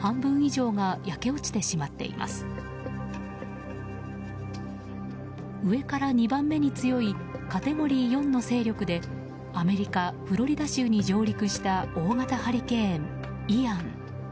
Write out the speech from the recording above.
上から２番目に強いカテゴリー４の勢力でアメリカ・フロリダ州に上陸した大型ハリケーン、イアン。